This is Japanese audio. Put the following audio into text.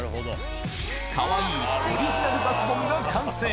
かわいいオリジナルバスボムが完成。